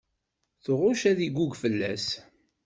Tɣucc ad iggug fell-as.